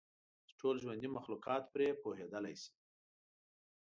چې ټول ژوندي مخلوقات پرې پوهیدلی شي.